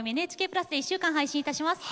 プラスで１週間配信いたします。